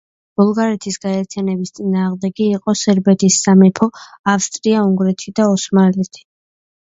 ბულგარეთის გაერთიანების წინააღმდეგი იყო სერბეთის სამეფო, ავსტრია-უნგრეთი და ოსმალეთი.